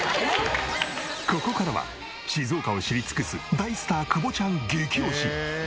ここからは静岡を知り尽くす大スター久保ちゃん激推し！